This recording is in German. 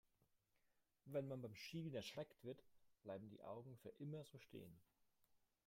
Wenn man beim Schielen erschreckt wird, bleiben die Augen für immer so stehen.